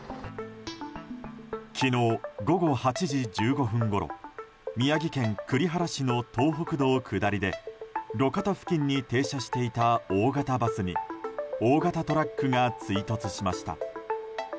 昨日午後８時１５分ごろ宮城県栗原市の東北道下りで路肩付近に停車していた大型バスに大型トラックが追突しました。